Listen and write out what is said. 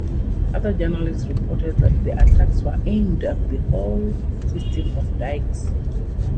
Other journalists reported that the attacks were "aimed at the whole system of dikes".